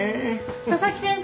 佐々木先生！